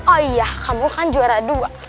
oh iya kamu kan juara dua